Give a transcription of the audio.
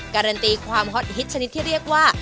การันตีความฮอตฮิตชนิดที่เรียกว่า